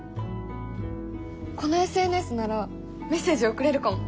このＳＮＳならメッセージ送れるかも！